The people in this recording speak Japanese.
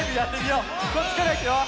こっちからいくよ！